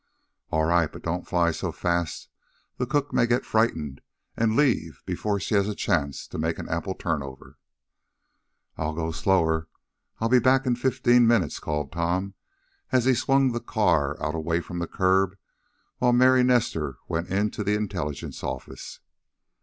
"All right, but don't fly so fast. The cook may get frightened, and leave before she has a chance to make an apple turnover." "I'll go slower. I'll be back in fifteen minutes," called Tom, as he swung the car out away from the curb, while Mary Nestor went into the intelligence office.